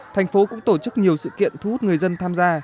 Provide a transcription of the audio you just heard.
thành phố cũng tổ chức nhiều sự kiện thu hút người dân tham gia